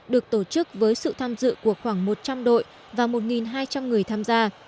được tổ chức với sự tham dự của khoảng một trăm linh đội và một hai trăm linh người tham gia